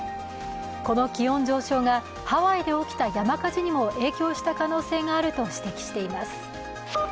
この気温上昇がハワイで起きた山火事にも影響した可能性があると指摘しています。